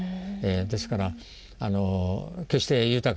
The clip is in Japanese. ですから決して豊かではない。